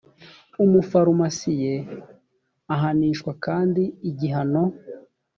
umufarumasiye ahanishwa kandi igihano